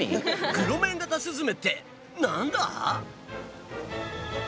クロメンガタスズメって何だ？